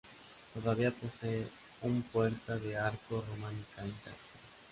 Todavía posee un Puerta de arco románica intacta.